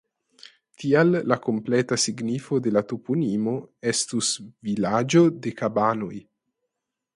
Tial la kompleta signifo de la toponimo estus "vilaĝo de kabanoj".